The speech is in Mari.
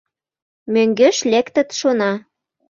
Мӧҥгеш лектыт шона